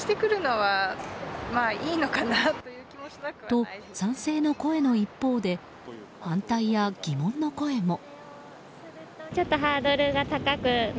と、賛成の声の一方で反対や疑問の声も。